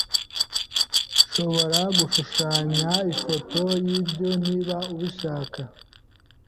Nshobora kugushushanya ifoto yibyo niba ubishaka.